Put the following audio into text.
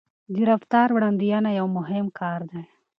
د رفتار وړاندوينه یو مهم کار دی.